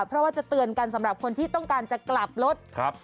เพราะว่าจะเตือนกันสำหรับคนที่ต้องการจะกลับรถครับ